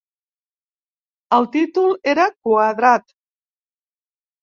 El títol era "Quadrat".